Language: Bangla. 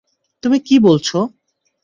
তুমি কি বলছ?